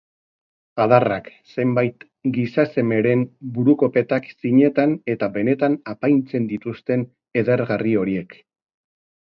Adarrak, zenbait gizasemeren buru-kopetak zinetan eta benetan apaintzen dituzten edergarri horiek